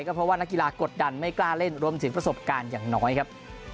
เพราะว่านักกีฬากดดันไม่กล้าเล่นรวมถึงประสบการณ์อย่างน้อยครับ